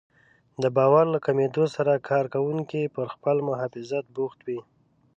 د باور له کمېدو سره کار کوونکي پر خپل محافظت بوخت وي.